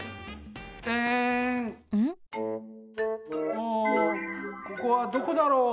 あここはどこだろう？